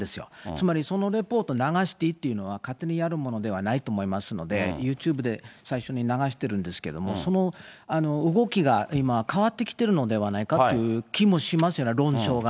つまりそのレポート流していいというのは、勝手にやるものではないと思いますので、ユーチューブで最初に流してるんですけれども、その動きが今、変わってきてるのではないかという気もしますよね、論調が。